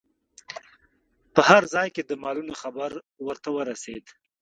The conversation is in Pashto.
په هر ځای کې د مالونو خبر ورته ورسید.